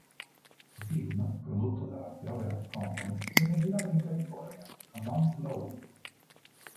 Il film, prodotto dalla Biograph Company, venne girato in California, a Mount Lowe.